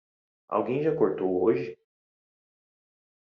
Alguém já cortou hoje?